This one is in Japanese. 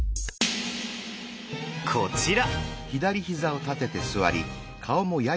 こちら！